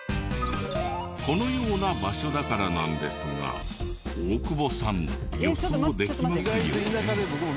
このような場所だからなんですが大久保さん予想できますよね？